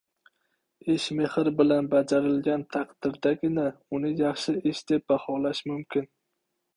Ish mehr bilan bajarilgan taqdirdagina uni yaxshi ish deb baholash mumkin.